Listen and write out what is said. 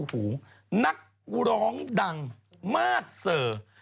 จากกระแสของละครกรุเปสันนิวาสนะฮะ